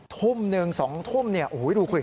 ทุ่มหนึ่งสองทุ่มโอ้โฮดูคุย